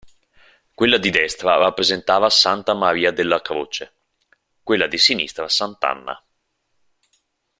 Quella di destra rappresentava Santa Maria della Croce, quella di sinistra Sant'Anna.